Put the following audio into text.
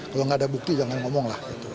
kalau gak ada bukti jangan ngomong